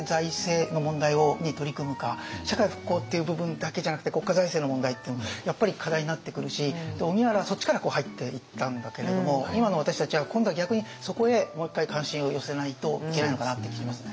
社会復興っていう部分だけじゃなくて国家財政の問題っていうのもやっぱり課題になってくるし荻原はそっちから入っていったんだけれども今の私たちは今度は逆にそこへもう一回関心を寄せないといけないのかなっていう気がしますね。